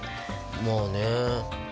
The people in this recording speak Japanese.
まあね。